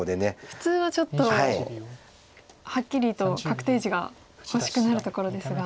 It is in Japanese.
普通はちょっとはっきりと確定地が欲しくなるところですが。